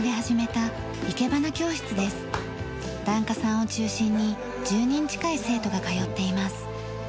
檀家さんを中心に１０人近い生徒が通っています。